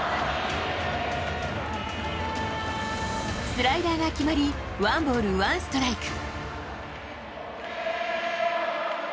スライダーが決まり、ワンボールワンストライク。